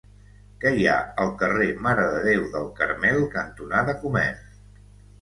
Què hi ha al carrer Mare de Déu del Carmel cantonada Comerç?